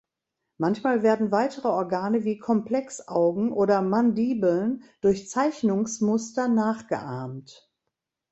Manchmal werden weitere Organe wie Komplexaugen oder Mandibeln durch Zeichnungsmuster nachgeahmt.